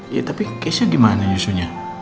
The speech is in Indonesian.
ya tapi kisah gimana yusunya